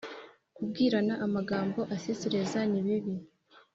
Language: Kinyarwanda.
kubwirana amagambo asesereza ni bibi